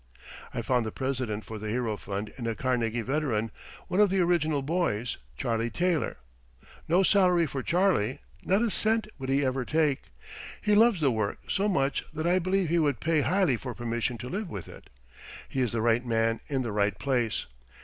I found the president for the Hero Fund in a Carnegie veteran, one of the original boys, Charlie Taylor. No salary for Charlie not a cent would he ever take. He loves the work so much that I believe he would pay highly for permission to live with it. He is the right man in the right place.